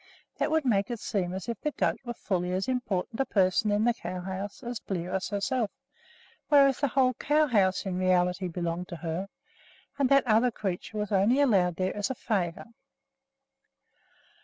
That would make it seem as if the goat were fully as important a person in the cow house as Bliros herself; whereas the whole cow house, in reality, belonged to her, and that other creature was only allowed there as a favor.